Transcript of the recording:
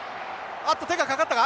あっと手がかかったか。